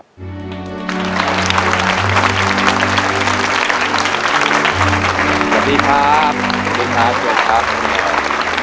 สวัสดีครับสวัสดีครับสวัสดีครับ